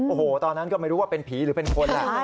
โอ้โหตอนนั้นก็ไม่รู้ว่าเป็นผีหรือเป็นคนแหละ